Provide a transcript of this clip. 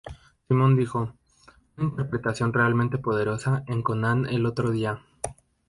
Simon dijo: "Una interpretación realmente poderosa en Conan el otro día.